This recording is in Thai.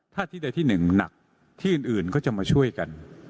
ถ้าที่ใดที่หนึ่งหนักที่อื่นก็จะมาช่วยกัน